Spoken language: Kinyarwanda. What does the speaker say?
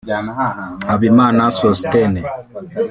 Habimana Sosthène